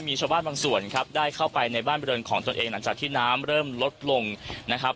มีชาวบ้านบางส่วนครับได้เข้าไปในบ้านบริเวณของตนเองหลังจากที่น้ำเริ่มลดลงนะครับ